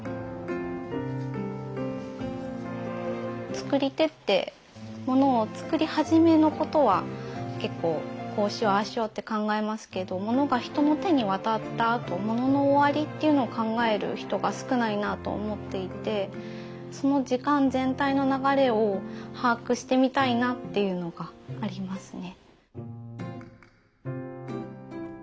作り手ってものを作り始めのことは結構こうしようああしようって考えますけどものが人の手に渡ったあとものの終わりっていうのを考える人が少ないなと思っていてその時間全体の流れを把握してみたいなっていうのがありますね。